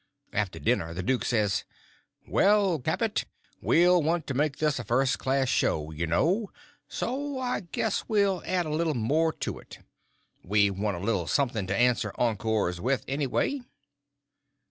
After dinner the duke says: "Well, Capet, we'll want to make this a first class show, you know, so I guess we'll add a little more to it. We want a little something to answer encores with, anyway."